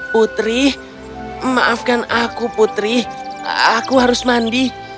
putri maafkan aku putri aku harus mandi